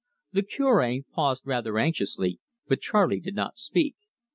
The Cure paused rather anxiously, but Charley did not speak.